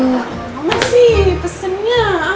gimana sih pesennya